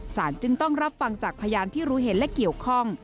จึงต้องรับฟังจากพยานที่รู้เห็นและเกี่ยวข้อง